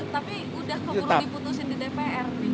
tapi sudah keburu diputusin di dpr